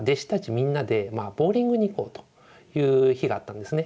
みんなでボウリングに行こうという日があったんですね。